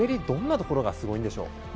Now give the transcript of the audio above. どんなところがすごいんでしょうか？